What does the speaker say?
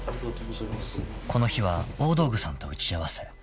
［この日は大道具さんと打ち合わせ］